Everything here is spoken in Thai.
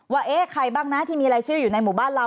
เอ๊ะใครบ้างนะที่มีรายชื่ออยู่ในหมู่บ้านเรา